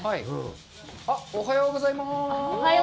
おはようございます。